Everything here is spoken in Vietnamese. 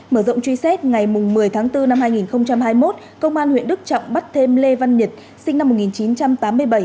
mở rộng truy xét ngày một mươi tháng bốn năm hai nghìn hai mươi một công an huyện đức trọng bắt thêm lê văn nhật sinh năm một nghìn chín trăm tám mươi bảy